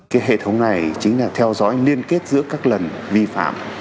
cái hệ thống này chính là theo dõi liên kết giữa các lần vi phạm